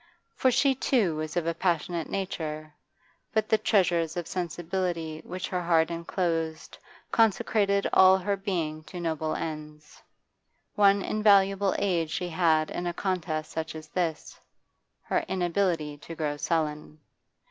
For she, too, was of a passionate nature, but the treasures of sensibility which her heart enclosed consecrated all her being to noble ends. One invaluable aid she had in a contest such as this her inability to grow sullen.